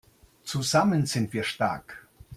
Zusammen sind wir stark!